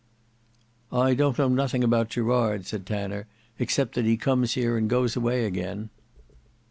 "I don't know nothing about Gerard," said Tanner, "except that he comes here and goes away again."